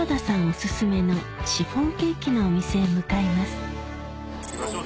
お薦めのシフォンケーキのお店へ向かいます